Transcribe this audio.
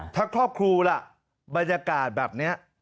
ถ้าครอบครูล่ะบรรยากาศแบบนี้